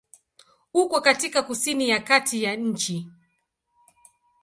Uko katika kusini ya kati ya nchi.